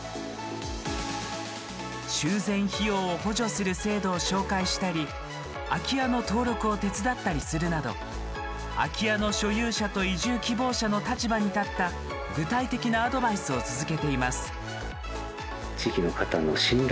修繕費用を補助する制度を紹介したり空き家の登録を手伝ったりするなど空き家の所有者と移住希望者の立場に立った具体的なアドバイスを続けています。